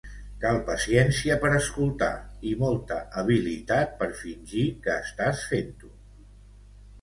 Cal paciència per escoltar, i molta habilitat per fingir que estàs fent-ho.